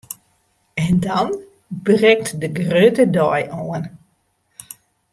En dan brekt de grutte dei oan!